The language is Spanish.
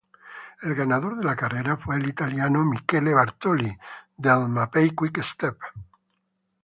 El ganador de la carrera fue el italiano Michele Bartoli del Mapei-Quick Step.